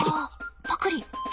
パクリ。